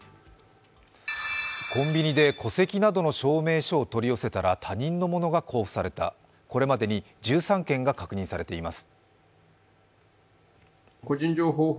コンビニで戸籍などの証明書を取り寄せたら他人のものが交付された、これまでに１３件が確認されています。